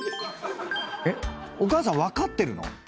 えっ⁉お母さん分かってるの？